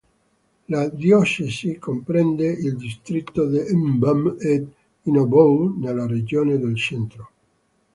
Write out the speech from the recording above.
La diocesi comprende il distretto di Mbam-et-Inoubou, nella regione del Centro.